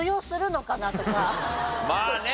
まあね。